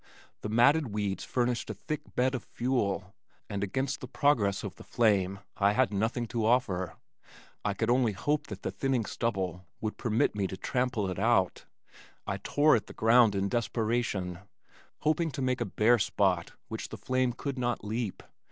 The matted weeds furnished a thick bed of fuel, and against the progress of the flame I had nothing to offer. I could only hope that the thinning stubble would permit me to trample it out. I tore at the ground in desperation, hoping to make a bare spot which the flame could not leap.